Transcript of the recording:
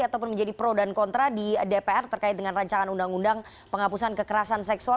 ataupun menjadi pro dan kontra di dpr terkait dengan rancangan undang undang penghapusan kekerasan seksual